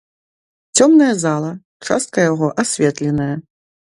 Цёмная зала, частка яго асветленая.